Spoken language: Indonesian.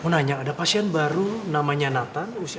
mau nanya ada pasien baru namanya nathan usia